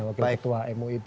wakil ketua mui itu